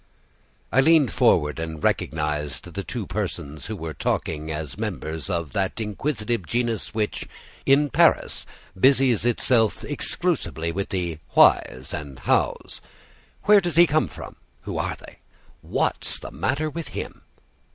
I leaned forward and recognized the two persons who were talking as members of that inquisitive genus which, in Paris, busies itself exclusively with the Whys and Hows. _Where does he come from? Who are they? What's the matter with him?